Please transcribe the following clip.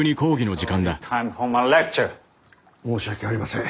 申し訳ありません。